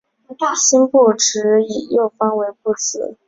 辛部只以右方为部字。